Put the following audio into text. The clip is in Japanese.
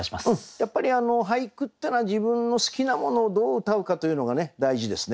やっぱり俳句ってのは自分の好きなものをどううたうかというのがね大事ですね。